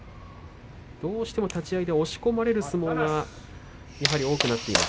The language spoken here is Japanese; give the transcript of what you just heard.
どうしても立ち合いで押し込まれる相撲がやはり多くなっています